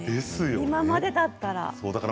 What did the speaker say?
今までだったら。